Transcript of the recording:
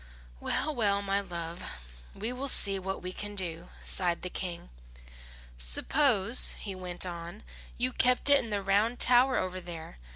"Well, well, my love, we will see what we can do," sighed the King. "Suppose," he went on, "you kept it in the round tower over there.